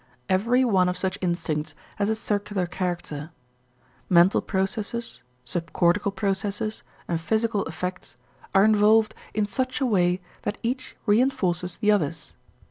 Every one of such instincts has a circular character. Mental processes, subcortical processes, and physical effects are involved in such a way that each reënforces the others.